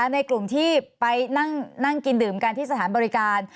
ในกลุ่มที่ไปนั่งกินดื่มกันที่สถานบริการ